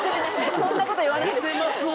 そんなこと言わない。